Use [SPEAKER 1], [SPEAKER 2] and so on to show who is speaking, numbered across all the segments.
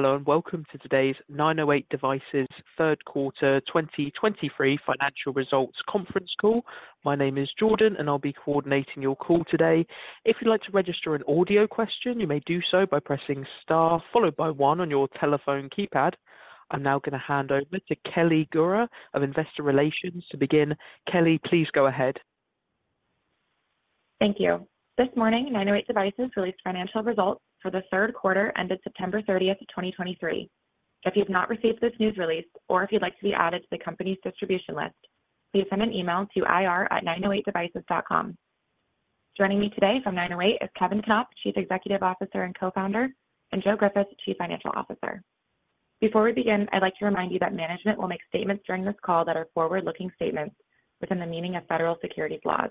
[SPEAKER 1] Hello, and welcome to today's 908 Devices third quarter, 2023 financial results conference call. My name is Jordan, and I'll be coordinating your call today. If you'd like to register an audio question, you may do so by pressing star followed by one on your telephone keypad. I'm now going to hand over to Kelly Gura of Investor Relations to begin. Kelly, please go ahead.
[SPEAKER 2] Thank you. This morning, 908 Devices released financial results for the third quarter ended September 30, 2023. If you've not received this news release or if you'd like to be added to the company's distribution list, please send an email to ir@908devices.com. Joining me today from 908 Devices is Kevin Knopp, Chief Executive Officer and Co-Founder, and Joe Griffith, Chief Financial Officer. Before we begin, I'd like to remind you that management will make statements during this call that are forward-looking statements within the meaning of federal securities laws.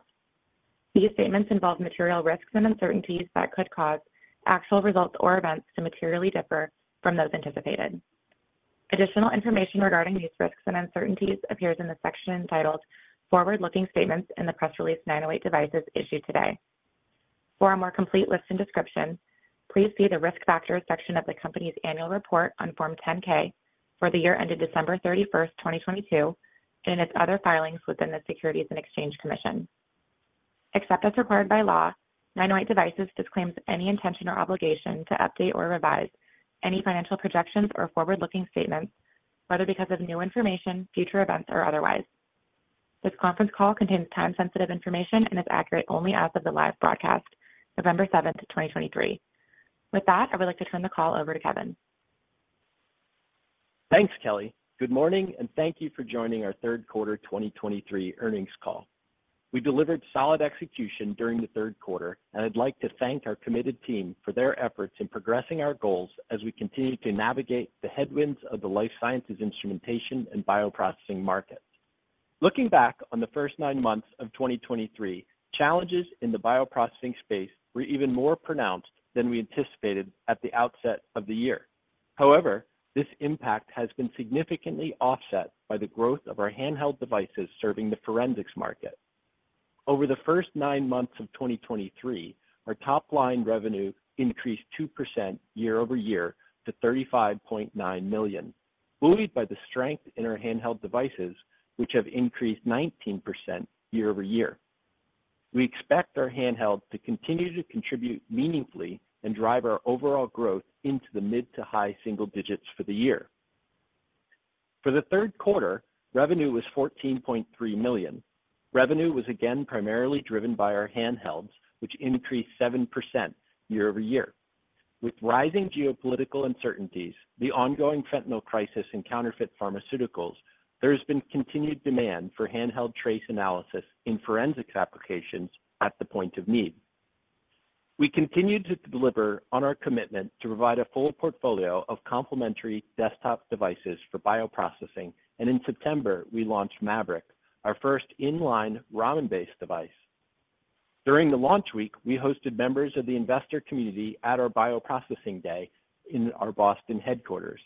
[SPEAKER 2] These statements involve material risks and uncertainties that could cause actual results or events to materially differ from those anticipated. Additional information regarding these risks and uncertainties appears in the section entitled "Forward-Looking Statements" in the press release 908 Devices issued today. For a more complete list and description, please see the Risk Factors section of the company's annual report on Form 10-K for the year ended December 31, 2022, and its other filings with the Securities and Exchange Commission. Except as required by law, 908 Devices disclaims any intention or obligation to update or revise any financial projections or forward-looking statements, whether because of new information, future events, or otherwise. This conference call contains time-sensitive information and is accurate only as of the live broadcast, November 7, 2023. With that, I would like to turn the call over to Kevin.
[SPEAKER 3] Thanks, Kelly. Good morning, and thank you for joining our third quarter 2023 earnings call. We delivered solid execution during the third quarter, and I'd like to thank our committed team for their efforts in progressing our goals as we continue to navigate the headwinds of the life sciences, instrumentation, and bioprocessing markets. Looking back on the first nine months of 2023, challenges in the bioprocessing space were even more pronounced than we anticipated at the outset of the year. However, this impact has been significantly offset by the growth of our handheld devices serving the forensics market. Over the first nine months of 2023, our top-line revenue increased 2% year-over-year to $35.9 million, buoyed by the strength in our handheld devices, which have increased 19% year-over-year. We expect our handheld to continue to contribute meaningfully and drive our overall growth into the mid- to high-single digits for the year. For the third quarter, revenue was $14.3 million. Revenue was again primarily driven by our handhelds, which increased 7% year-over-year. With rising geopolitical uncertainties, the ongoing fentanyl crisis and counterfeit pharmaceuticals, there has been continued demand for handheld trace analysis in forensics applications at the point of need. We continued to deliver on our commitment to provide a full portfolio of complementary desktop devices for bioprocessing, and in September, we launched MAVERICK, our first inline Raman-based device. During the launch week, we hosted members of the investor community at our Bioprocessing Day in our Boston headquarters.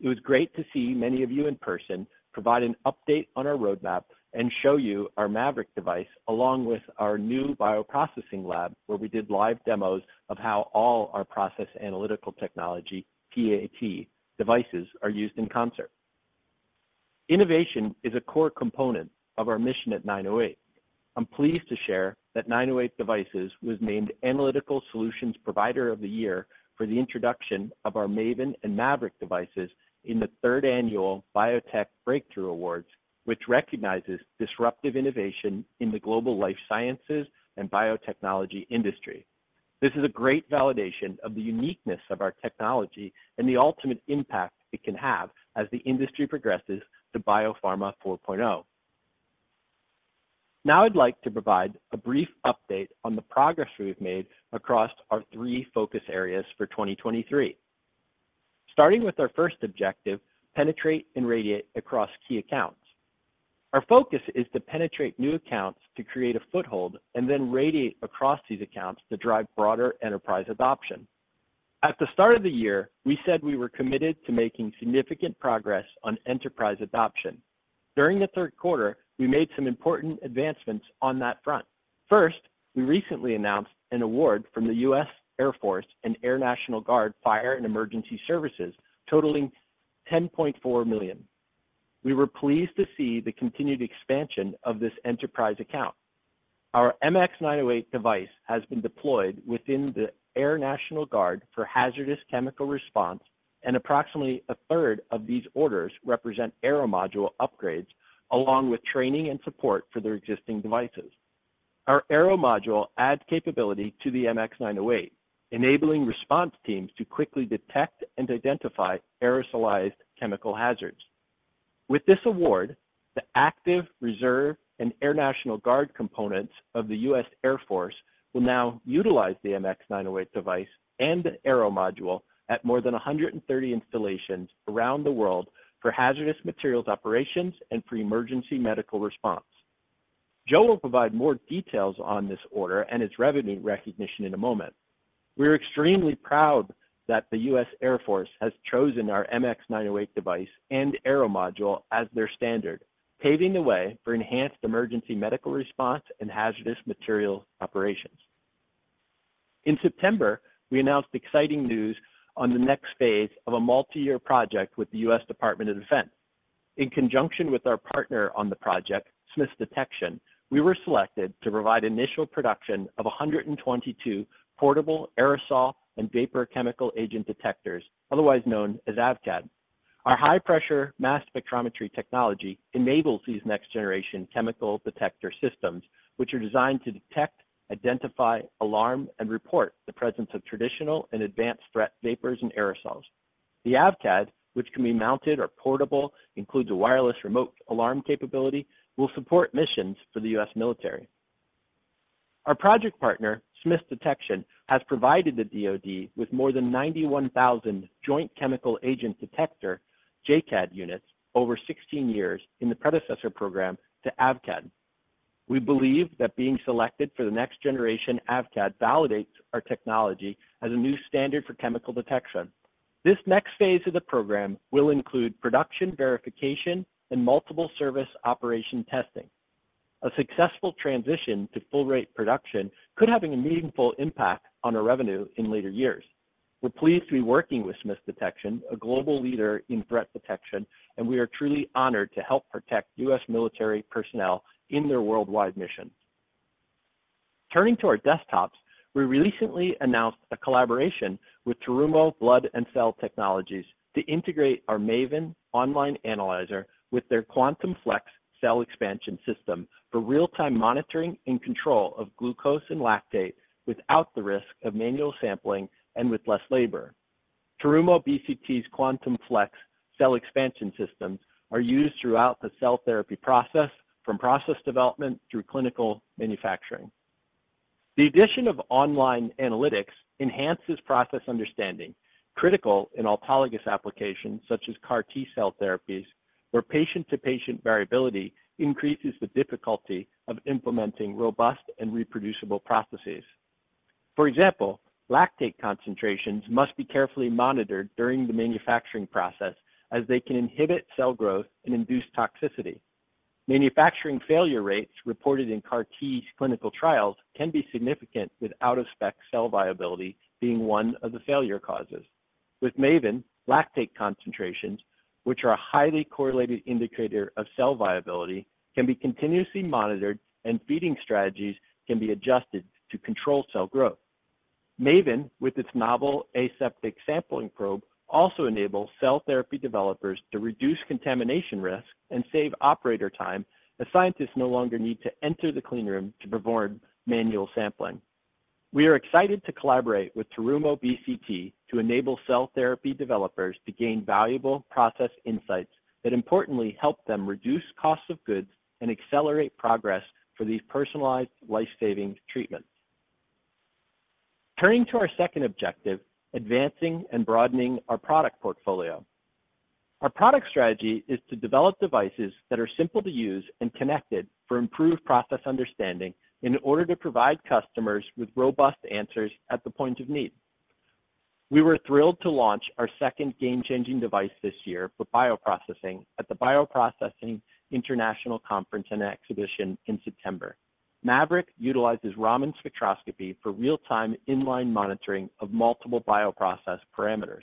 [SPEAKER 3] It was great to see many of you in person, provide an update on our roadmap, and show you our MAVERICK device, along with our new bioprocessing lab, where we did live demos of how all our process analytical technology, PAT devices, are used in concert. Innovation is a core component of our mission at 908 Devices. I'm pleased to share that 908 Devices was named Analytical Solutions Provider of the Year for the introduction of our MAVEN and MAVERICK devices in the third annual Biotech Breakthrough Awards, which recognizes disruptive innovation in the global life sciences and biotechnology industry. This is a great validation of the uniqueness of our technology and the ultimate impact it can have as the industry progresses to BioPharma 4.0. Now I'd like to provide a brief update on the progress we've made across our three focus areas for 2023. Starting with our first objective, penetrate and radiate across key accounts. Our focus is to penetrate new accounts to create a foothold and then radiate across these accounts to drive broader enterprise adoption. At the start of the year, we said we were committed to making significant progress on enterprise adoption. During the third quarter, we made some important advancements on that front. First, we recently announced an award from the U.S. Air Force and Air National Guard Fire and Emergency Services, totaling $10.4 million. We were pleased to see the continued expansion of this enterprise account. Our MX908 device has been deployed within the Air National Guard for hazardous chemical response, and approximately a third of these orders represent Aero module upgrades, along with training and support for their existing devices. Our AeroModule adds capability to the MX908, enabling response teams to quickly detect and identify aerosolized chemical hazards. With this award, the active, reserve, and Air National Guard components of the U.S. Air Force will now utilize the MX908 device and the AeroModule at more than 130 installations around the world for hazardous materials operations and for emergency medical response. Joe will provide more details on this order and its revenue recognition in a moment. We are extremely proud that the U.S. Air Force has chosen our MX908 device and AeroModule as their standard, paving the way for enhanced emergency medical response and hazardous materials operations. In September, we announced exciting news on the next phase of a multi-year project with the U.S. Department of Defense. In conjunction with our partner on the project, Smiths Detection, we were selected to provide initial production of 122 portable aerosol and vapor chemical agent detectors, otherwise known as AVCAD. Our high-pressure mass spectrometry technology enables these next generation chemical detector systems, which are designed to detect, identify, alarm, and report the presence of traditional and advanced threat vapors and aerosols. The AVCAD, which can be mounted or portable, includes a wireless remote alarm capability, will support missions for the U.S. military. Our project partner, Smiths Detection, has provided the DoD with more than 91,000 Joint Chemical Agent Detector, JCAD, units over 16 years in the predecessor program to AVCAD. We believe that being selected for the next generation AVCAD validates our technology as a new standard for chemical detection. This next phase of the program will include production, verification, and multiple service operation testing. A successful transition to full rate production could have a meaningful impact on our revenue in later years. We're pleased to be working with Smiths Detection, a global leader in threat detection, and we are truly honored to help protect U.S. military personnel in their worldwide mission. Turning to our desktops, we recently announced a collaboration with Terumo Blood and Cell Technologies to integrate our MAVEN online analyzer with their Quantum Flex cell expansion system for real-time monitoring and control of glucose and lactate without the risk of manual sampling and with less labor. Terumo BCT's Quantum Flex cell expansion systems are used throughout the cell therapy process, from process development through clinical manufacturing. The addition of online analytics enhances process understanding, critical in autologous applications such as CAR T-cell therapies, where patient-to-patient variability increases the difficulty of implementing robust and reproducible processes. For example, lactate concentrations must be carefully monitored during the manufacturing process as they can inhibit cell growth and induce toxicity. Manufacturing failure rates reported in CAR T's clinical trials can be significant, with out-of-spec cell viability being one of the failure causes. With MAVEN, lactate concentrations, which are a highly correlated indicator of cell viability, can be continuously monitored and feeding strategies can be adjusted to control cell growth. MAVEN, with its novel aseptic sampling probe, also enables cell therapy developers to reduce contamination risk and save operator time, as scientists no longer need to enter the clean room to perform manual sampling. We are excited to collaborate with Terumo BCT to enable cell therapy developers to gain valuable process insights that importantly help them reduce costs of goods and accelerate progress for these personalized life-saving treatments. Turning to our second objective, advancing and broadening our product portfolio. Our product strategy is to develop devices that are simple to use and connected for improved process understanding in order to provide customers with robust answers at the point of need. We were thrilled to launch our second game-changing device this year for bioprocessing at the Bioprocessing International Conference and Exhibition in September. MAVERICK utilizes Raman spectroscopy for real-time inline monitoring of multiple bioprocess parameters.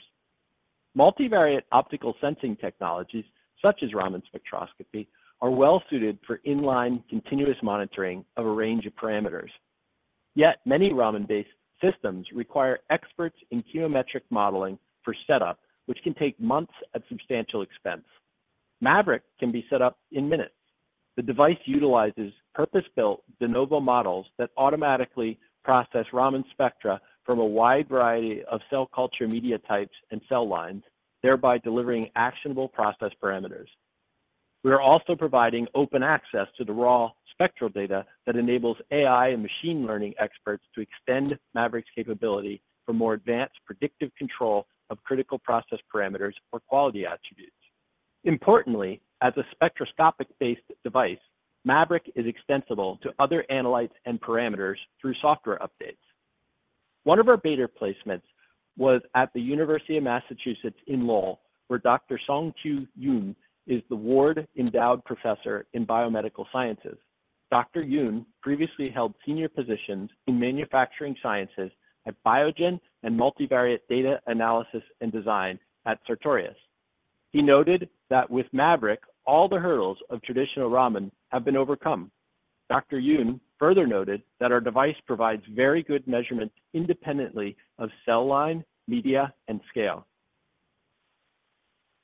[SPEAKER 3] Multivariate optical sensing technologies, such as Raman spectroscopy, are well suited for inline continuous monitoring of a range of parameters. Yet many Raman-based systems require experts in chemometric modeling for setup, which can take months at substantial expense. MAVERICK can be set up in minutes. The device utilizes purpose-built de novo models that automatically process Raman spectra from a wide variety of cell culture media types and cell lines, thereby delivering actionable process parameters. We are also providing open access to the raw spectral data that enables AI and machine learning experts to extend MAVERICK's capability for more advanced predictive control of critical process parameters or quality attributes. Importantly, as a spectroscopic-based device, MAVERICK is extensible to other analytes and parameters through software updates. One of our beta placements was at the University of Massachusetts Lowell, where Dr. Seongkyu Yoon is the Ward Chaired Professor of Biomedical Material Sciences. Dr. Yoon previously held senior positions in manufacturing sciences at Biogen and multivariate data analysis and design at Sartorius. He noted that with MAVERICK, all the hurdles of traditional Raman have been overcome. Dr. Yoon further noted that our device provides very good measurements independently of cell line, media, and scale.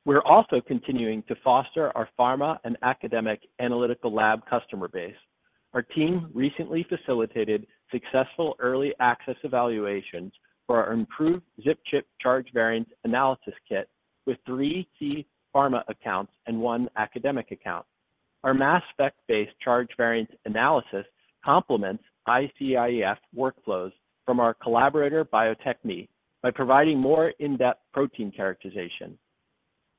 [SPEAKER 3] We're also continuing to foster our pharma and academic analytical lab customer base. Our team recently facilitated successful early access evaluations for our improved ZipChip Charge Variant Analysis Kit with three key pharma accounts and one academic account. Our mass spec-based charge variant analysis complements icIEF workflows from our collaborator, Bio-Techne, by providing more in-depth protein characterization.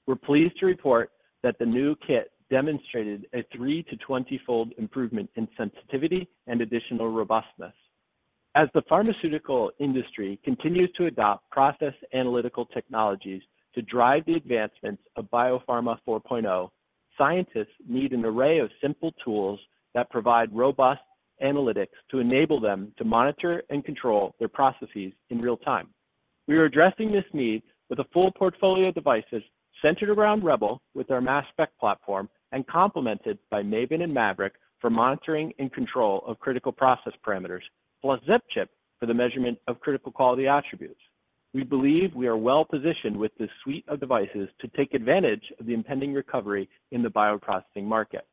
[SPEAKER 3] We're pleased to report that the new kit demonstrated a 3- to 20-fold improvement in sensitivity and additional robustness. As the pharmaceutical industry continues to adopt process analytical technologies to drive the advancements of BioPharma 4.0,... Scientists need an array of simple tools that provide robust analytics to enable them to monitor and control their processes in real time. We are addressing this need with a full portfolio of devices centered around REBEL with our mass spec platform, and complemented by MAVEN and MAVERICK for monitoring and control of critical process parameters, plus ZipChip for the measurement of critical quality attributes. We believe we are well positioned with this suite of devices to take advantage of the impending recovery in the bioprocessing market.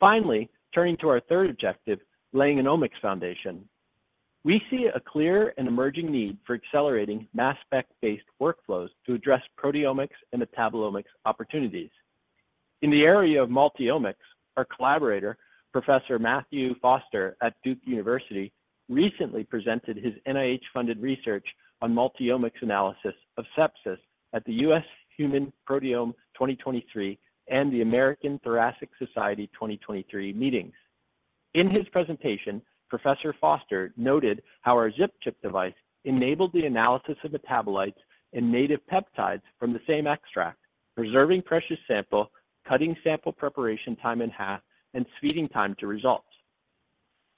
[SPEAKER 3] Finally, turning to our third objective, laying an omics foundation. We see a clear and emerging need for accelerating mass spec-based workflows to address proteomics and metabolomics opportunities. In the area of multi-omics, our collaborator, Professor Matthew Foster at Duke University, recently presented his NIH-funded research on multi-omics analysis of sepsis at the U.S. Human Proteome 2023 and the American Thoracic Society 2023 meetings. In his presentation, Professor Foster noted how our ZipChip device enabled the analysis of metabolites and native peptides from the same extract, preserving precious sample, cutting sample preparation time in half, and speeding time to results.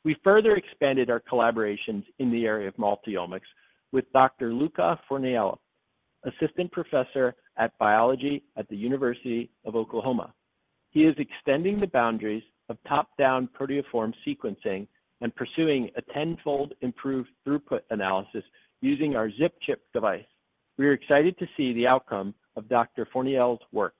[SPEAKER 3] We further expanded our collaborations in the area of multi-omics with Dr. Luca Fornelli, Assistant Professor of Biology at the University of Oklahoma. He is extending the boundaries of top-down proteoform sequencing and pursuing a tenfold improved throughput analysis using our ZipChip device. We are excited to see the outcome of Dr. Fornelli's work.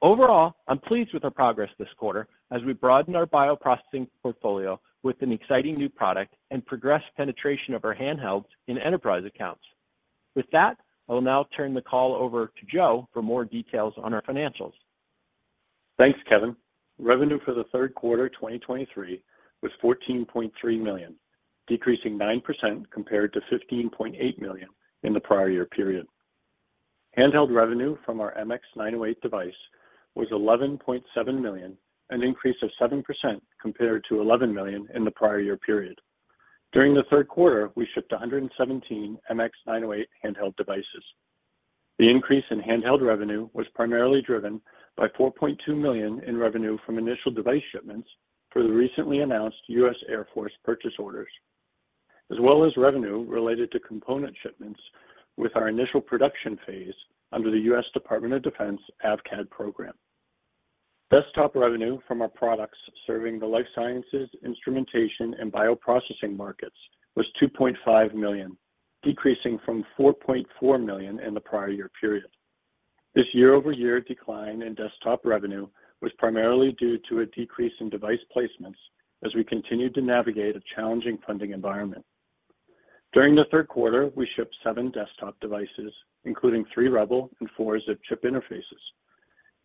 [SPEAKER 3] Overall, I'm pleased with our progress this quarter as we broaden our bioprocessing portfolio with an exciting new product and progress penetration of our handhelds in enterprise accounts. With that, I will now turn the call over to Joe for more details on our financials.
[SPEAKER 4] Thanks, Kevin. Revenue for the third quarter 2023 was $14.3 million, decreasing 9% compared to $15.8 million in the prior year period. Handheld revenue from our MX908 device was $11.7 million, an increase of 7% compared to $11 million in the prior year period. During the third quarter, we shipped 117 MX908 handheld devices. The increase in handheld revenue was primarily driven by $4.2 million in revenue from initial device shipments for the recently announced U.S. Air Force purchase orders, as well as revenue related to component shipments with our initial production phase under the U.S. Department of Defense AVCAD program. Desktop revenue from our products serving the life sciences, instrumentation, and bioprocessing markets was $2.5 million, decreasing from $4.4 million in the prior year period. This year-over-year decline in desktop revenue was primarily due to a decrease in device placements as we continued to navigate a challenging funding environment. During the third quarter, we shipped 7 desktop devices, including 3 REBEL and 4 ZipChip interfaces.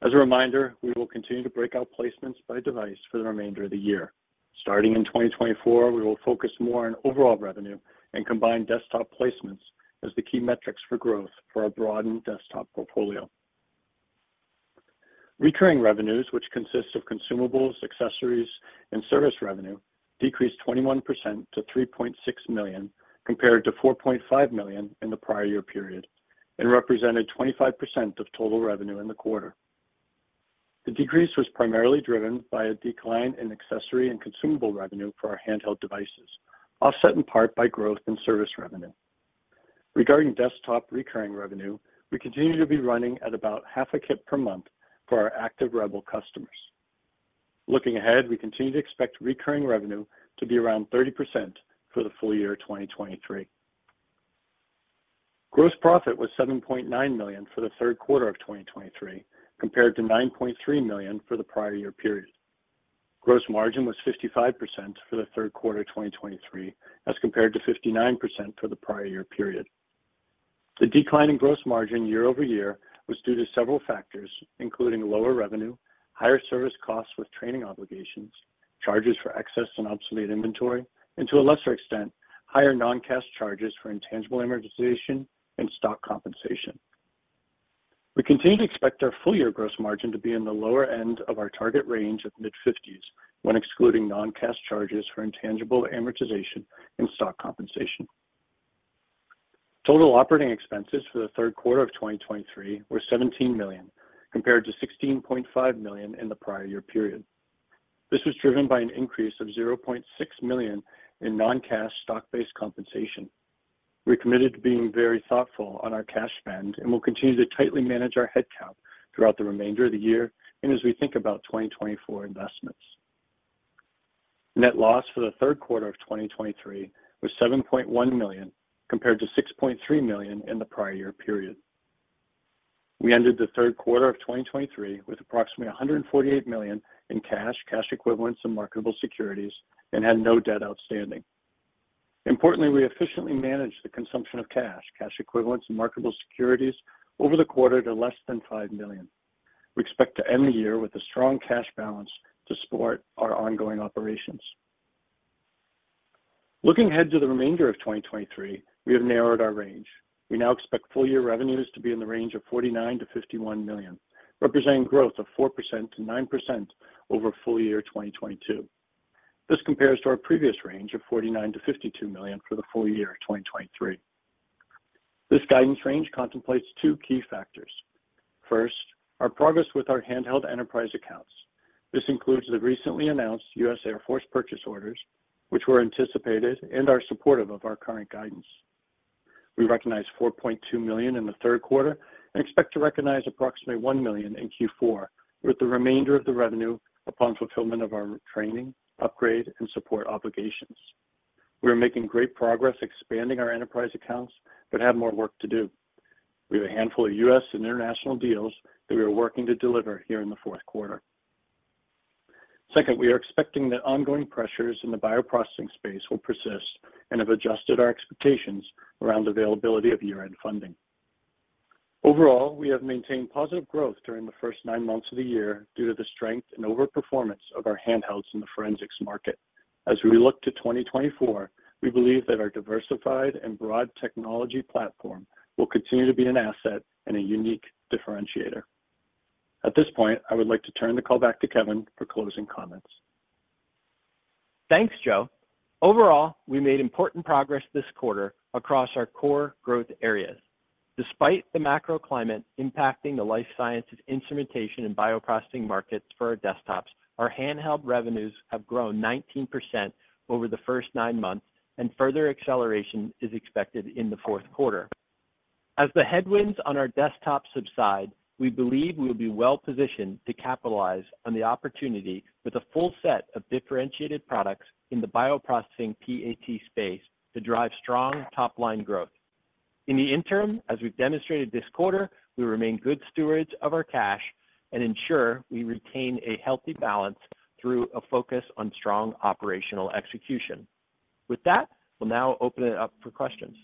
[SPEAKER 4] As a reminder, we will continue to break out placements by device for the remainder of the year. Starting in 2024, we will focus more on overall revenue and combine desktop placements as the key metrics for growth for our broadened desktop portfolio. Recurring revenues, which consist of consumables, accessories, and service revenue, decreased 21% to $3.6 million, compared to $4.5 million in the prior year period, and represented 25% of total revenue in the quarter. The decrease was primarily driven by a decline in accessory and consumable revenue for our handheld devices, offset in part by growth in service revenue. Regarding desktop recurring revenue, we continue to be running at about half a kit per month for our active REBEL customers. Looking ahead, we continue to expect recurring revenue to be around 30% for the full year 2023. Gross profit was $7.9 million for the third quarter of 2023, compared to $9.3 million for the prior year period. Gross margin was 55% for the third quarter 2023, as compared to 59% for the prior year period. The decline in gross margin year-over-year was due to several factors, including lower revenue, higher service costs with training obligations, charges for excess and obsolete inventory, and to a lesser extent, higher non-cash charges for intangible amortization and stock compensation. We continue to expect our full year gross margin to be in the lower end of our target range of mid-50s when excluding non-cash charges for intangible amortization and stock compensation. Total operating expenses for the third quarter of 2023 were $17 million, compared to $16.5 million in the prior year period. This was driven by an increase of $0.6 million in non-cash stock-based compensation. We're committed to being very thoughtful on our cash spend and will continue to tightly manage our headcount throughout the remainder of the year and as we think about 2024 investments. Net loss for the third quarter of 2023 was $7.1 million, compared to $6.3 million in the prior year period. We ended the third quarter of 2023 with approximately $148 million in cash, cash equivalents, and marketable securities, and had no debt outstanding. Importantly, we efficiently managed the consumption of cash, cash equivalents, and marketable securities over the quarter to less than $five million. We expect to end the year with a strong cash balance to support our ongoing operations. Looking ahead to the remainder of 2023, we have narrowed our range. We now expect full year revenues to be in the range of $49 million-$51 million, representing growth of 4%-9% over full year 2022. This compares to our previous range of $49 million-$52 million for the full year of 2023. This guidance range contemplates two key factors. First, our progress with our handheld enterprise accounts. This includes the recently announced U.S. Air Force purchase orders, which were anticipated and are supportive of our current guidance. We recognized $4.2 million in the third quarter and expect to recognize approximately $1 million in Q4, with the remainder of the revenue upon fulfillment of our training, upgrade, and support obligations. We are making great progress expanding our enterprise accounts, but have more work to do. We have a handful of U.S. and international deals that we are working to deliver here in the fourth quarter. Second, we are expecting that ongoing pressures in the bioprocessing space will persist and have adjusted our expectations around availability of year-end funding. Overall, we have maintained positive growth during the first nine months of the year due to the strength and overperformance of our handhelds in the forensics market. As we look to 2024, we believe that our diversified and broad technology platform will continue to be an asset and a unique differentiator. At this point, I would like to turn the call back to Kevin for closing comments.
[SPEAKER 3] Thanks, Joe. Overall, we made important progress this quarter across our core growth areas. Despite the macro climate impacting the life sciences, instrumentation, and bioprocessing markets for our desktops, our handheld revenues have grown 19% over the first nine months, and further acceleration is expected in the fourth quarter. As the headwinds on our desktop subside, we believe we'll be well positioned to capitalize on the opportunity with a full set of differentiated products in the bioprocessing PAT space to drive strong top-line growth. In the interim, as we've demonstrated this quarter, we remain good stewards of our cash and ensure we retain a healthy balance through a focus on strong operational execution. With that, we'll now open it up for questions.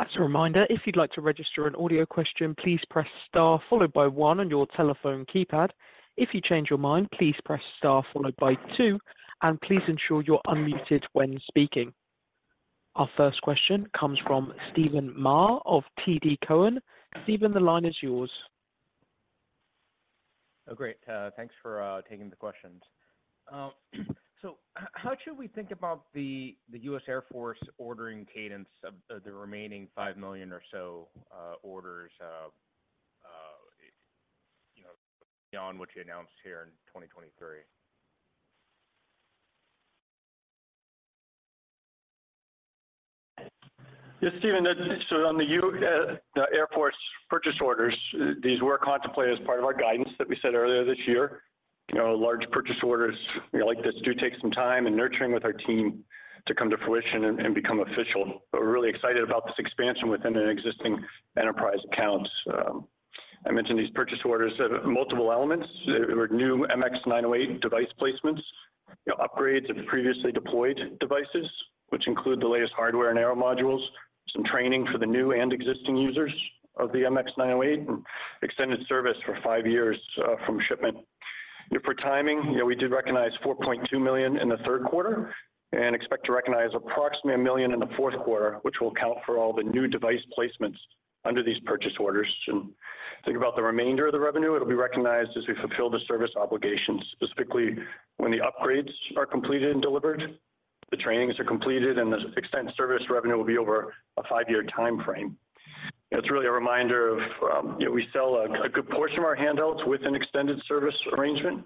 [SPEAKER 1] As a reminder, if you'd like to register an audio question, please press Star followed by one on your telephone keypad. If you change your mind, please press Star followed by two, and please ensure you're unmuted when speaking. Our first question comes from Steven Ma of TD Cowen. Steven, the line is yours.
[SPEAKER 5] Oh, great, thanks for taking the questions. So how should we think about the U.S. Air Force ordering cadence of the remaining 5 million or so orders, you know, beyond what you announced here in 2023?
[SPEAKER 4] Yes, Steven, so on the Air Force purchase orders, these were contemplated as part of our guidance that we said earlier this year. You know, large purchase orders like this do take some time and nurturing with our team to come to fruition and, and become official. But we're really excited about this expansion within an existing enterprise accounts. I mentioned these purchase orders have multiple elements. There are new MX908 device placements, you know, upgrades of previously deployed devices, which include the latest hardware and Aero modules, some training for the new and existing users of the MX908, and extended service for five years, from shipment. You know, for timing, you know, we did recognize $4.2 million in the third quarter and expect to recognize approximately $1 million in the fourth quarter, which will account for all the new device placements under these purchase orders. And think about the remainder of the revenue, it'll be recognized as we fulfill the service obligations, specifically when the upgrades are completed and delivered, the trainings are completed, and the extent service revenue will be over a five-year time frame. It's really a reminder of, you know, we sell a good portion of our handhelds with an extended service arrangement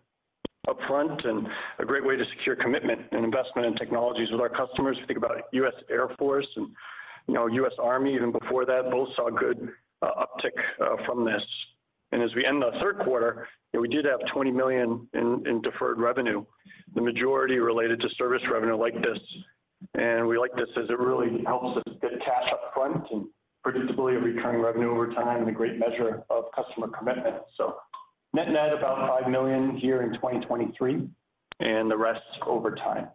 [SPEAKER 4] upfront, and a great way to secure commitment and investment in technologies with our customers. We think about U.S. Air Force and, you know, U.S. Army, even before that, both saw a good uptick from this. As we end the third quarter, we did have $20 million in deferred revenue, the majority related to service revenue like this. We like this as it really helps us get cash upfront and predictability of recurring revenue over time and a great measure of customer commitment. Net net, about $5 million here in 2023, and the rest over time.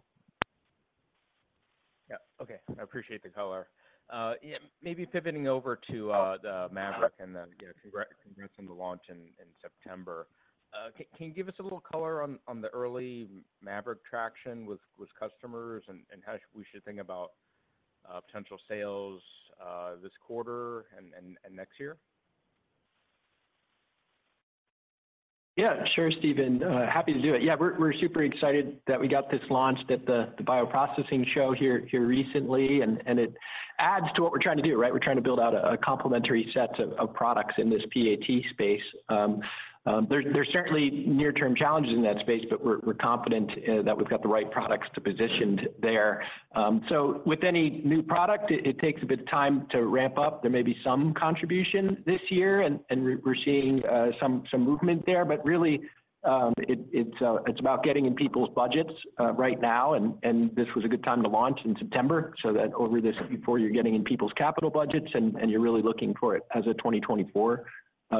[SPEAKER 5] Yeah. Okay. I appreciate the color. Yeah, maybe pivoting over to the MAVERICK and the, you know, congrats, congrats on the launch in September. Can you give us a little color on the early MAVERICK traction with customers and how we should think about potential sales this quarter and next year?
[SPEAKER 3] Yeah, sure, Steven. Happy to do it. Yeah, we're, we're super excited that we got this launch at the, the bioprocessing show here, here recently, and, and it adds to what we're trying to do, right? We're trying to build out a, a complementary set of, of products in this PAT space. There's, there's certainly near-term challenges in that space, but we're, we're confident that we've got the right products to position there. So with any new product, it, it takes a bit of time to ramp up. There may be some contribution this year, and, and we're, we're seeing some, some movement there, but really, it, it's, it's about getting in people's budgets, right now. This was a good time to launch in September, so that over this Q4, you're getting in people's capital budgets, and you're really looking for it as a 2024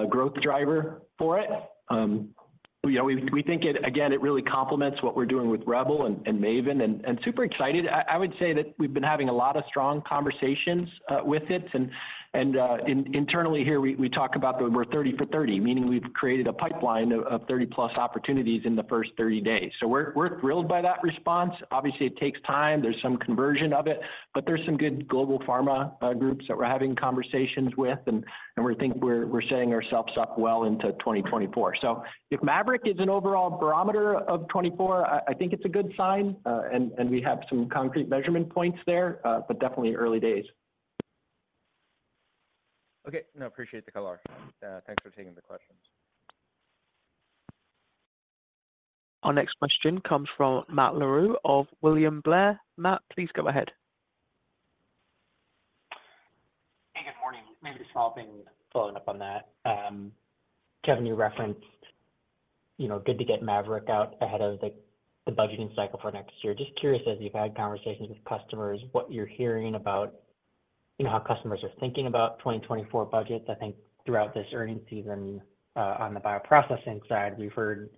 [SPEAKER 3] growth driver for it. You know, we think it... Again, it really complements what we're doing with REBEL and MAVEN, and super excited. I would say that we've been having a lot of strong conversations with it. And internally here, we talk about we're 30 for 30, meaning we've created a pipeline of 30+ opportunities in the first 30 days. So we're thrilled by that response. Obviously, it takes time. There's some conversion of it, but there's some good global pharma groups that we're having conversations with, and we think we're setting ourselves up well into 2024. So if MAVERICK is an overall barometer of 24, I think it's a good sign, and we have some concrete measurement points there, but definitely early days.
[SPEAKER 5] Okay. No, I appreciate the color. Thanks for taking the questions....
[SPEAKER 1] Our next question comes from Matt Larew of William Blair. Matt, please go ahead.
[SPEAKER 6] Hey, good morning. Maybe a small thing following up on that. Kevin, you referenced, you know, good to get MAVERICK out ahead of the budgeting cycle for next year. Just curious, as you've had conversations with customers, what you're hearing about, you know, how customers are thinking about 2024 budgets. I think throughout this earnings season, on the bioprocessing side, we've heard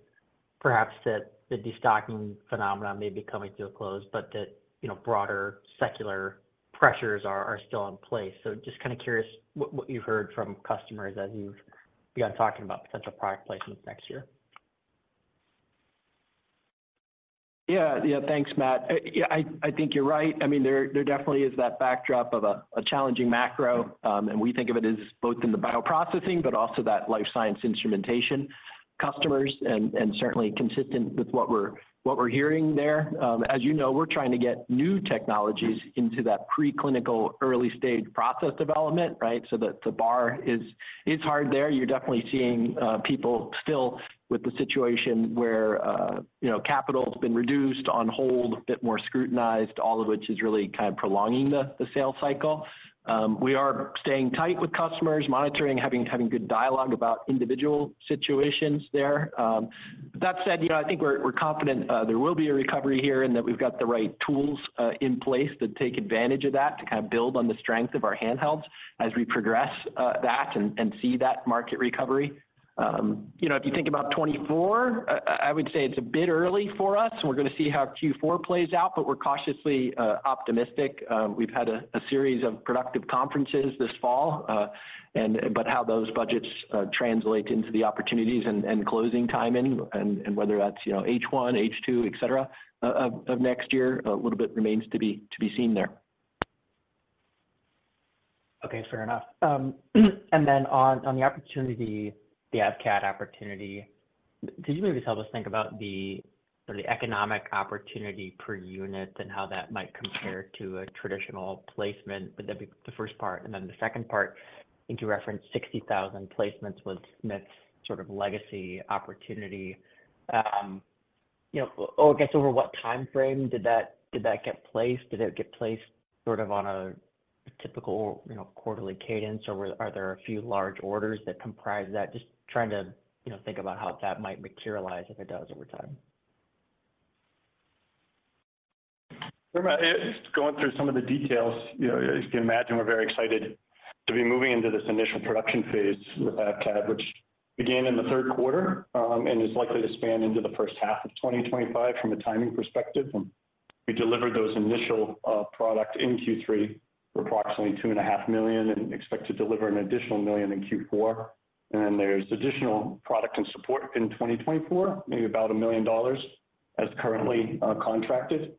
[SPEAKER 6] perhaps that the destocking phenomenon may be coming to a close, but that, you know, broader secular pressures are still in place. So just kind of curious what you've heard from customers as you've begun talking about potential product placements next year.
[SPEAKER 3] Yeah. Yeah, thanks, Matt. Yeah, I think you're right. I mean, there definitely is that backdrop of a challenging macro, and we think of it as both in the bioprocessing, but also that life science instrumentation customers and certainly consistent with what we're hearing there. As you know, we're trying to get new technologies into that preclinical, early-stage process development, right? So the bar is hard there. You're definitely seeing people still with the situation where you know, capital's been reduced, on hold, a bit more scrutinized, all of which is really kind of prolonging the sales cycle. We are staying tight with customers, monitoring, having good dialogue about individual situations there. But that said, you know, I think we're, we're confident there will be a recovery here, and that we've got the right tools in place to take advantage of that, to kind of build on the strength of our handhelds as we progress, that and, and see that market recovery. You know, if you think about 2024, I would say it's a bit early for us, and we're gonna see how Q4 plays out, but we're cautiously optimistic. We've had a series of productive conferences this fall, and but how those budgets translate into the opportunities and, and closing timing and, and whether that's, you know, H1, H2, et cetera, of next year, a little bit remains to be, to be seen there.
[SPEAKER 6] Okay, fair enough. And then on the opportunity, the AVCAD opportunity, could you maybe help us think about the sort of economic opportunity per unit and how that might compare to a traditional placement? Would that be the first part, and then the second part, I think you referenced 60,000 placements with Smiths sort of legacy opportunity. You know, over what timeframe did that get placed? Did it get placed sort of on a typical, you know, quarterly cadence, or are there a few large orders that comprise that? Just trying to, you know, think about how that might materialize if it does over time.
[SPEAKER 4] Well, just going through some of the details, you know, as you can imagine, we're very excited to be moving into this initial production phase with AVCAD, which began in the third quarter and is likely to span into the first half of 2025 from a timing perspective. We delivered those initial product in Q3 for approximately $2.5 million and expect to deliver an additional $1 million in Q4. Then there's additional product and support in 2024, maybe about $1 million as currently contracted.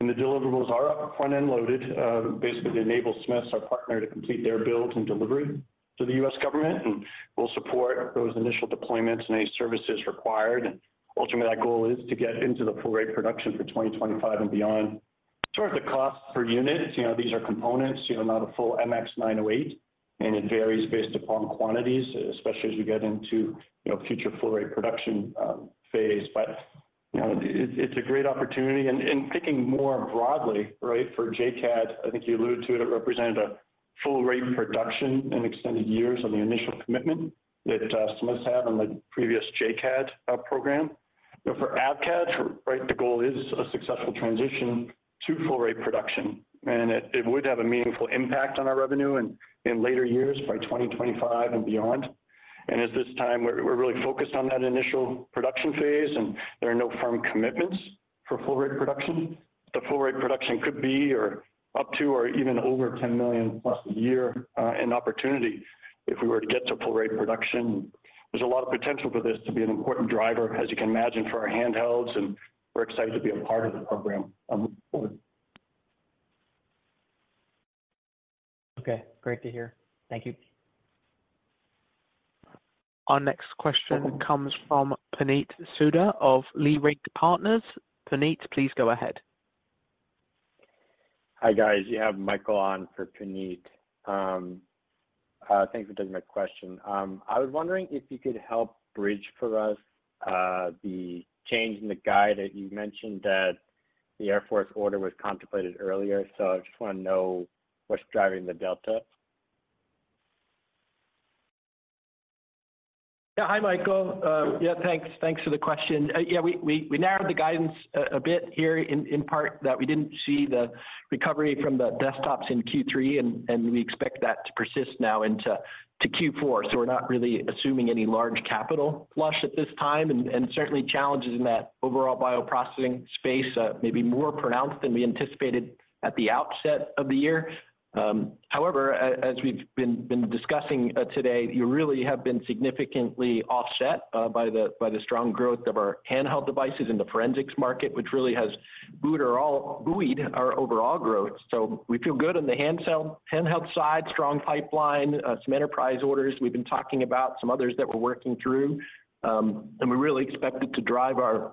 [SPEAKER 4] The deliverables are up front-end loaded basically to enable Smiths, our partner, to complete their builds and delivery to the U.S. government, and we'll support those initial deployments and any services required. Ultimately, that goal is to get into the full rate production for 2025 and beyond. In terms of cost per unit, you know, these are components, you know, not a full MX908, and it varies based upon quantities, especially as you get into, you know, future full rate production phase. But, you know, it's, it's a great opportunity. And thinking more broadly, right, for JCAD, I think you alluded to it, it represented a full rate of production and extended years on the initial commitment that Smiths had on the previous JCAD program. But for AVCAD, right, the goal is a successful transition to full rate production, and it, it would have a meaningful impact on our revenue in later years, by 2025 and beyond. And at this time, we're, we're really focused on that initial production phase, and there are no firm commitments for full rate production. The full rate production could be or up to or even over $10 million-plus a year in opportunity if we were to get to full rate production. There's a lot of potential for this to be an important driver, as you can imagine, for our handhelds, and we're excited to be a part of the program going forward.
[SPEAKER 6] Okay, great to hear. Thank you.
[SPEAKER 1] Our next question comes from Puneet Souda of Leerink Partners. Puneet, please go ahead.
[SPEAKER 7] Hi, guys. You have Michael on for Puneet. Thanks for taking my question. I was wondering if you could help bridge for us the change in the guide that you mentioned that the Air Force order was contemplated earlier. So I just wanna know what's driving the delta?
[SPEAKER 3] Yeah. Hi, Michael. Yeah, thanks for the question. Yeah, we narrowed the guidance a bit here in part that we didn't see the recovery from the desktops in Q3, and we expect that to persist now into Q4. So we're not really assuming any large capital flush at this time, and certainly challenges in that overall bioprocessing space may be more pronounced than we anticipated at the outset of the year. However, as we've been discussing today, you really have been significantly offset by the strong growth of our handheld devices in the forensics market, which really has buoyed our overall growth. So we feel good on the handheld side, strong pipeline, some enterprise orders. We've been talking about some others that we're working through, and we really expect it to drive our, our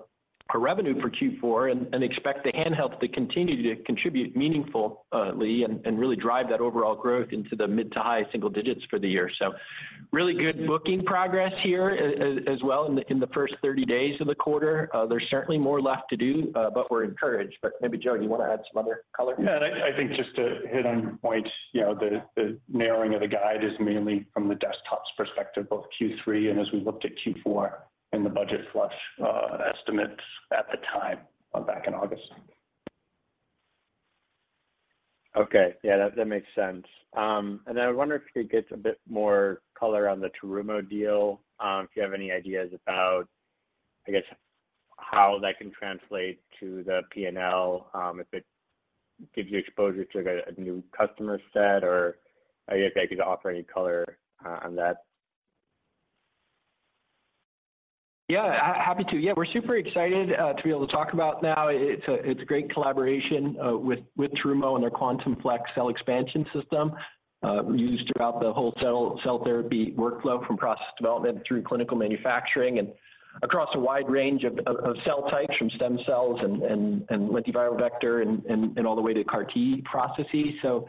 [SPEAKER 3] revenue for Q4 and, and expect the handhelds to continue to contribute meaningfully and, and really drive that overall growth into the mid- to high-single digits for the year. Really good booking progress here as well in the, in the first 30 days of the quarter. There's certainly more left to do, but we're encouraged. But maybe, Joe, do you wanna add some other color?
[SPEAKER 4] Yeah, and I think just to hit on your point, you know, the narrowing of the guide is mainly from the desktop's perspective, both Q3 and as we looked at Q4 and the budget flush estimates at the time, back in August.
[SPEAKER 7] Okay. Yeah, that makes sense. And then I wonder if you could get a bit more color on the Terumo deal, if you have any ideas about, I guess, how that can translate to the P&L, if it gives you exposure to a new customer set, or I guess if you could offer any color on that?
[SPEAKER 3] Yeah, I'm happy to. Yeah, we're super excited to be able to talk about now. It's a great collaboration with Terumo and their Quantum Flex cell expansion system used throughout the whole cell therapy workflow from process development through clinical manufacturing, and across a wide range of cell types, from stem cells and lentiviral vector and all the way to CAR T processes. So,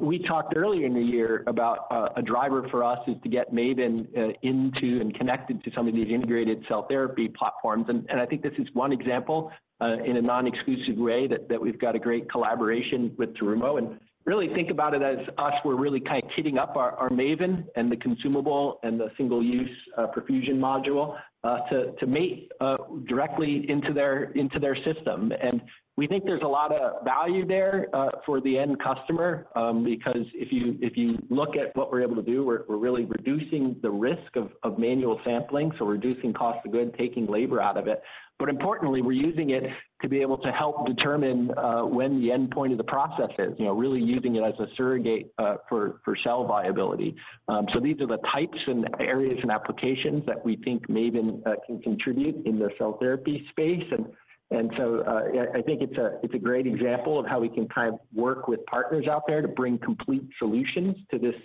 [SPEAKER 3] we talked earlier in the year about a driver for us is to get Maven into and connected to some of these integrated cell therapy platforms. And I think this is one example in a non-exclusive way that we've got a great collaboration with Terumo. And really think about it as us, we're really kind of kitting up our MAVEN and the consumable and the single-use perfusion module to mate directly into their system. And we think there's a lot of value there for the end customer, because if you look at what we're able to do, we're really reducing the risk of manual sampling, so reducing cost of goods, taking labor out of it. But importantly, we're using it to be able to help determine when the endpoint of the process is. You know, really using it as a surrogate for cell viability. So these are the types and areas and applications that we think MAVEN can contribute in the cell therapy space. And so, I think it's a great example of how we can kind of work with partners out there to bring complete solutions to this,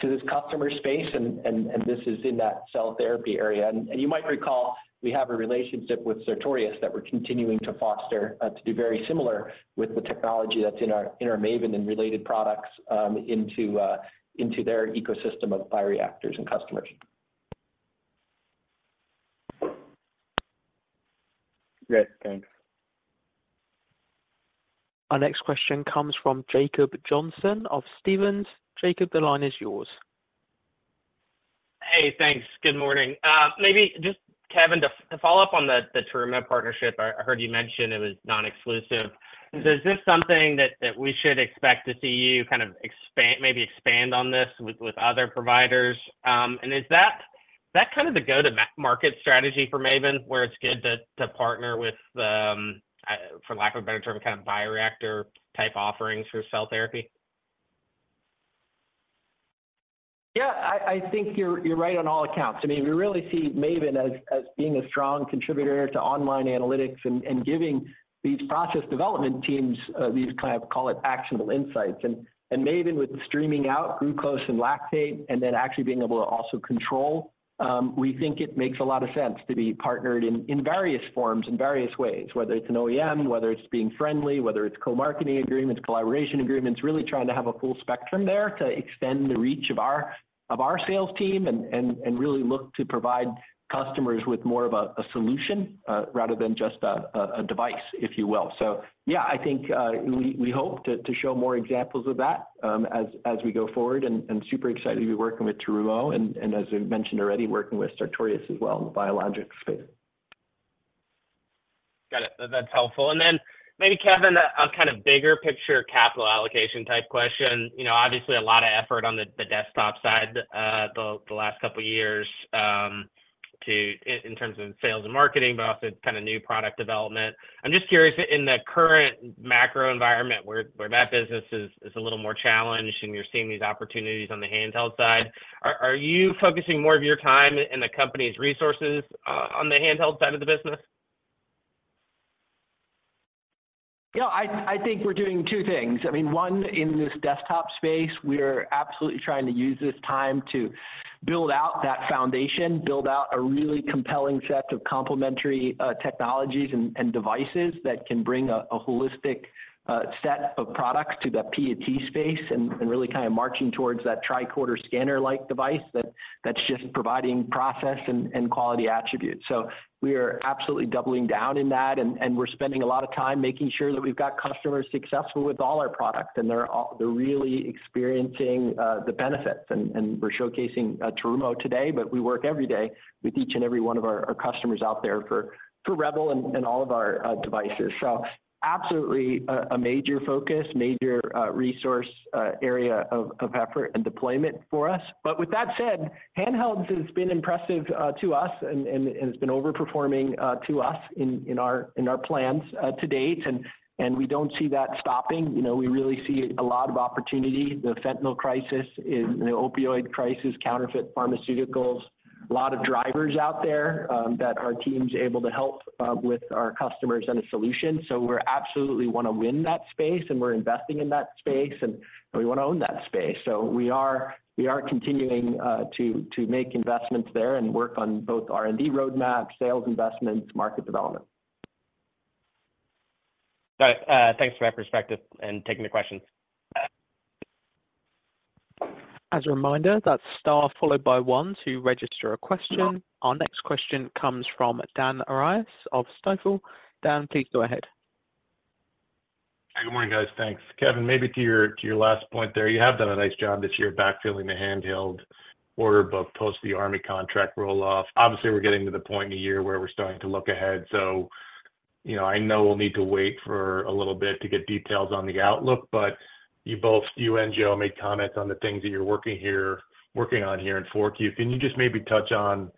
[SPEAKER 3] to this customer space, and this is in that cell therapy area. And you might recall, we have a relationship with Sartorius that we're continuing to foster, to do very similar with the technology that's in our MAVEN and related products, into their ecosystem of bioreactors and customers.
[SPEAKER 7] Great, thanks.
[SPEAKER 1] Our next question comes from Jacob Johnson of Stephens. Jacob, the line is yours.
[SPEAKER 8] Hey, thanks. Good morning. Maybe just, Kevin, to follow up on the Terumo partnership, I heard you mention it was non-exclusive. Is this something that we should expect to see you kind of expand, maybe expand on this with other providers? And is that kind of the go-to-market strategy for Maven, where it's good to partner with, for lack of a better term, kind of bioreactor-type offerings for cell therapy?
[SPEAKER 3] Yeah, I think you're right on all accounts. I mean, we really see MAVEN as being a strong contributor to online analytics and giving these process development teams these kind of, call it, actionable insights. And MAVEN with streaming out glucose and lactate, and then actually being able to also control, we think it makes a lot of sense to be partnered in various forms and various ways, whether it's an OEM, whether it's being friendly, whether it's co-marketing agreements, collaboration agreements, really trying to have a full spectrum there to extend the reach of our sales team, and really look to provide customers with more of a solution rather than just a device, if you will. So yeah, I think we hope to show more examples of that, as we go forward. And super excited to be working with Terumo and, as we've mentioned already, working with Sartorius as well in the biologics space.
[SPEAKER 8] Got it. That's helpful. And then maybe, Kevin, a kind of bigger picture, capital allocation type question. You know, obviously, a lot of effort on the desktop side, the last couple of years, in terms of sales and marketing, but also kind of new product development. I'm just curious, in the current macro environment, where that business is a little more challenged, and you're seeing these opportunities on the handheld side, are you focusing more of your time and the company's resources on the handheld side of the business?
[SPEAKER 3] Yeah, I think we're doing two things. I mean, one, in this desktop space, we're absolutely trying to use this time to build out that foundation, build out a really compelling set of complementary technologies and devices that can bring a holistic set of products to the PAT space, and really kind of marching towards that tricorder scanner-like device that's just providing process and quality attributes. So we are absolutely doubling down in that, and we're spending a lot of time making sure that we've got customers successful with all our products, and they're all, they're really experiencing the benefits. And we're showcasing Terumo today, but we work every day with each and every one of our customers out there for REBEL and all of our devices. So absolutely, a major focus, major resource area of effort and deployment for us. But with that said, handhelds has been impressive to us and it's been overperforming to us in our plans to date, and we don't see that stopping. You know, we really see a lot of opportunity. The fentanyl crisis is the opioid crisis, counterfeit pharmaceuticals, a lot of drivers out there that our team's able to help with our customers and the solution. So we're absolutely wanna win that space, and we're investing in that space, and we wanna own that space. So we are continuing to make investments there and work on both R&D roadmaps, sales investments, market development.... Got it. Thanks for that perspective and taking the questions.
[SPEAKER 1] As a reminder, that's star followed by one to register a question. Our next question comes from Dan Arias of Stifel. Dan, please go ahead.
[SPEAKER 9] Good morning, guys. Thanks. Kevin, maybe to your, to your last point there, you have done a nice job this year, backfilling the handheld order book post the Army contract roll-off. Obviously, we're getting to the point in the year where we're starting to look ahead. So, you know, I know we'll need to wait for a little bit to get details on the outlook, but you both, you and Joe, made comments on the things that you're working on here in Q4. Can you just maybe touch on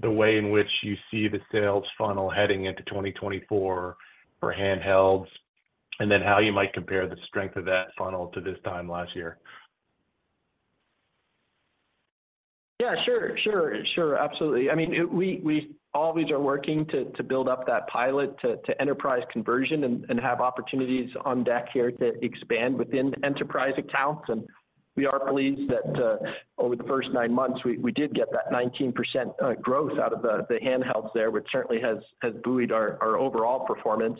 [SPEAKER 9] the way in which you see the sales funnel heading into 2024 for handhelds, and then how you might compare the strength of that funnel to this time last year?
[SPEAKER 3] Yeah, sure, sure, sure. Absolutely. I mean, we, we always are working to, to build up that pilot to, to enterprise conversion and, and have opportunities on deck here to expand within enterprise accounts. And we are pleased that, over the first nine months, we, we did get that 19% growth out of the, the handhelds there, which certainly has, has buoyed our, our overall performance.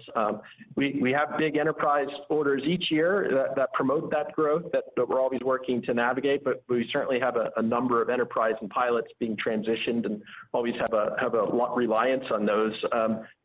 [SPEAKER 3] We, we have big enterprise orders each year that, that promote that growth, that, that we're always working to navigate, but we certainly have a, a number of enterprise and pilots being transitioned and always have a, have a lot reliance on those.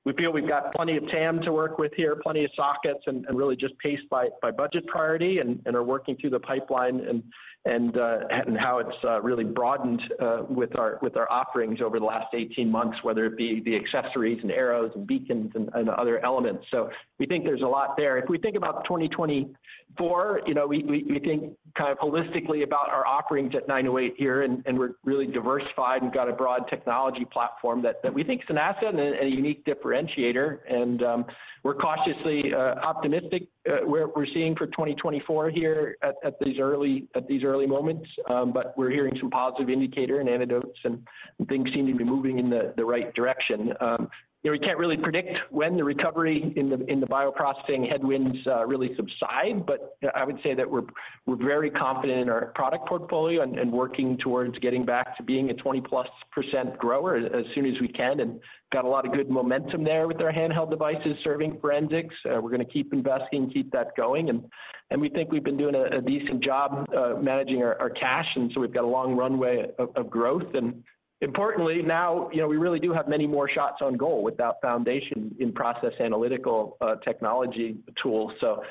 [SPEAKER 3] We feel we've got plenty of TAM to work with here, plenty of sockets, and really just paced by budget priority and are working through the pipeline and how it's really broadened with our offerings over the last 18 months, whether it be the accessories and Aeros and beacons and other elements. So we think there's a lot there. If we think about 2024, you know, we think kind of holistically about our offerings at 908 here, and we're really diversified and got a broad technology platform that we think is an asset and a unique differentiator, and we're cautiously optimistic where we're seeing for 2024 here at these early moments. But we're hearing some positive indicator and anecdotes, and things seem to be moving in the right direction. You know, we can't really predict when the recovery in the bioprocessing headwinds really subside, but I would say that we're very confident in our product portfolio and working towards getting back to being a 20%+ grower as soon as we can, and got a lot of good momentum there with our handheld devices serving forensics. We're gonna keep investing and keep that going. We think we've been doing a decent job managing our cash, and so we've got a long runway of growth. Importantly, now, you know, we really do have many more shots on goal with that foundation in process analytical technology tools. So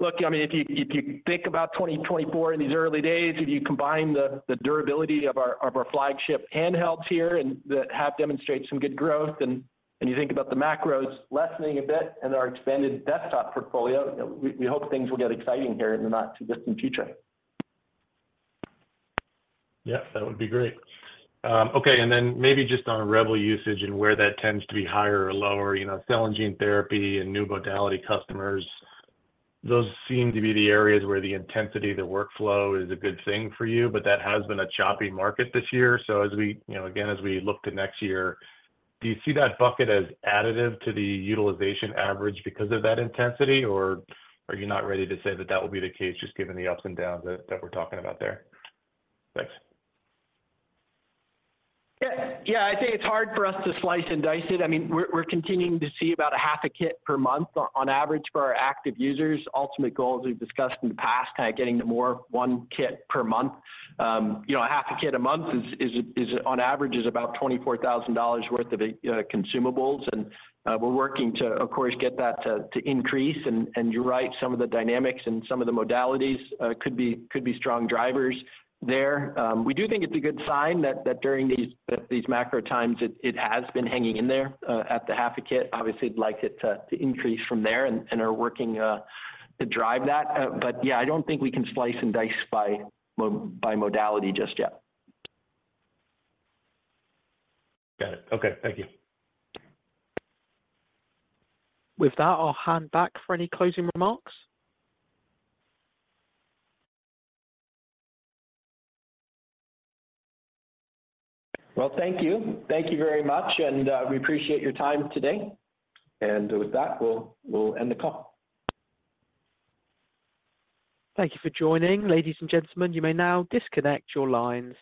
[SPEAKER 3] look, I mean, if you think about 2024 in these early days, if you combine the durability of our flagship handhelds here, and that have demonstrated some good growth, and you think about the macros lessening a bit and our expanded desktop portfolio, we hope things will get exciting here in the not-too-distant future.
[SPEAKER 9] Yeah, that would be great. Okay, and then maybe just on REBEL usage and where that tends to be higher or lower, you know, cell and gene therapy and new modality customers, those seem to be the areas where the intensity of the workflow is a good thing for you, but that has been a choppy market this year. So as we... You know, again, as we look to next year, do you see that bucket as additive to the utilization average because of that intensity, or are you not ready to say that that will be the case, just given the ups and downs that we're talking about there? Thanks.
[SPEAKER 3] Yeah, yeah, I think it's hard for us to slice and dice it. I mean, we're continuing to see about a half a kit per month on average for our active users. Ultimate goal, as we've discussed in the past, kind of getting to more one kit per month. You know, a half a kit a month is on average about $24,000 worth of consumables, and we're working to, of course, get that to increase. And you're right, some of the dynamics and some of the modalities could be strong drivers there. We do think it's a good sign that during these macro times, it has been hanging in there at the half a kit. Obviously, we'd like it to increase from there and are working to drive that. But yeah, I don't think we can slice and dice by modality just yet.
[SPEAKER 9] Got it. Okay, thank you.
[SPEAKER 1] With that, I'll hand back for any closing remarks.
[SPEAKER 3] Well, thank you. Thank you very much, and we appreciate your time today. With that, we'll, we'll end the call.
[SPEAKER 1] Thank you for joining. Ladies and gentlemen, you may now disconnect your lines.